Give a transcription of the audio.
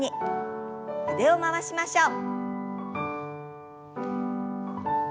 腕を回しましょう。